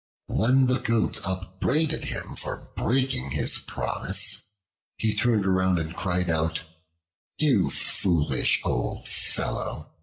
When the Goat upbraided him for breaking his promise, he turned around and cried out, "You foolish old fellow!